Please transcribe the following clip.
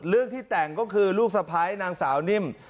เรื่องที่แต่งก็คือลูกสะพ้ายนางสาวนิ่ม